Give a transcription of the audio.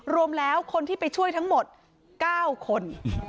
รวมแล้วคนที่ไปช่วยทั้งหมด๙คน